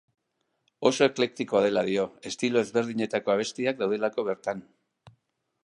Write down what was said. Oso eklektikoa dela dio, estilo ezberdinetako abestiak daudelako bertan.